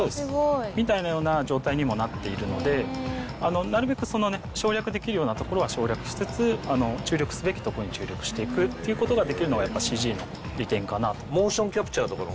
みたいなような状態にもなっているのでなるべく省略できるようなとこは省略しつつ注力すべきとこに注力していくっていうことができるのがやっぱＣＧの利点かなと。